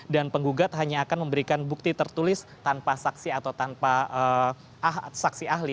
dan penggugat hanya akan memberikan bukti tertulis tanpa saksi atau tanpa saksi ahli